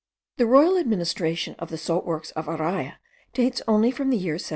The royal administration of the salt works of Araya dates only from the year 1792.